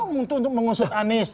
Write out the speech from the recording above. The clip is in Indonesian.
mencoba untuk mengusut anies